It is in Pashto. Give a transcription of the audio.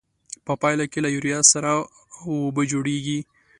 په پایله کې له یوریا سره او اوبه جوړیږي.